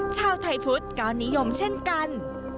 ชาวไทยพุทธก็นิยมเช่นกัน